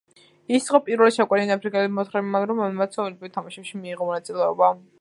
ის იყო პირველი შავკანიანი აფრიკელი მოთხილამურე, რომელმაც ოლიმპიურ თამაშებში მიიღო მონაწილეობა.